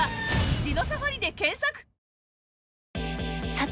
さて！